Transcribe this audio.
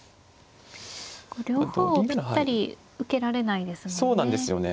両方をぴったり受けられないですもんね。